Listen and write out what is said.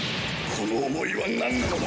この思いはなんなのだ？